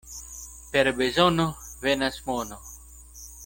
Per bezono venas mono.